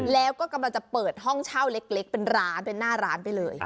แล้วก็กำลังจะเปิดห้องเช่าเล็กเป็นร้านเป็นหน้าร้านไปเลย